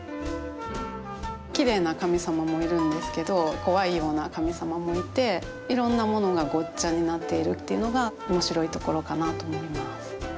きれいな神様もいるんですけど怖いような神様もいて色んなものがごっちゃになっているっていうのが面白いところかなと思います。